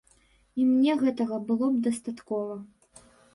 І мне гэтага было б дастаткова.